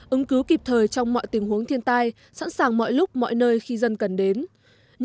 ứng cứu kịp thời trong mọi tình huống thiên tai sẵn sàng mọi lúc mọi nơi khi dân cần đến